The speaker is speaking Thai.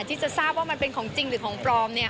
ที่จะทราบว่ามันเป็นของจริงหรือของปลอม